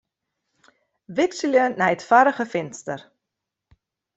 Wikselje nei it foarige finster.